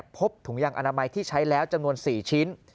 ถุงยางอนามัยที่ใช้แล้วจำนวน๔ชิ้น